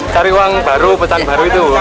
cari uang baru pesan baru itu